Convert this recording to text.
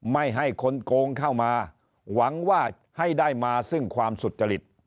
ไม่ให้คนโกงเข้ามาหวังว่าให้ได้มาซึ่งความสุจริต